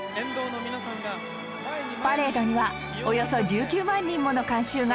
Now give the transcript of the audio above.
パレードにはおよそ１９万人もの観衆が詰めかけ